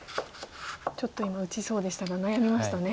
ちょっと今打ちそうでしたが悩みましたね。